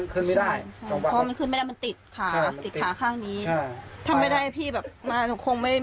เกิดใหม่เลยล่ะประมาณไม่มีใครถ้าไม่มีใครพาแล้วก็จบเลยล่ะ